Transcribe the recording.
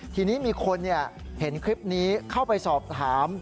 ทีนี้มีคนเห็นคลิปนี้เข้าไปสอบถาม